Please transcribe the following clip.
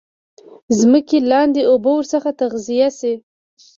ځمکې لاندي اوبه ورڅخه تغذیه شي.